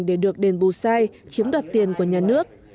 để được đền bù sai chiếm đoạt tiền của nhà nước